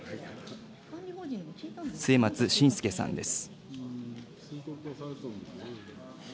末松信介さんです。